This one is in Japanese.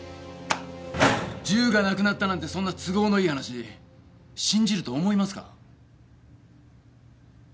銃がなくなったなんてそんな都合のいい話信じると思いますか？